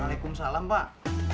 wa'alaikum salam pak